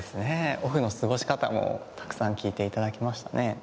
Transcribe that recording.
オフの過ごし方もたくさん聞いていただきましたね